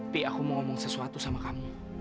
pi aku mau ngomong sesuatu sama kamu